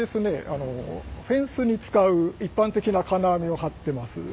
あのフェンスに使う一般的な金網を張ってます。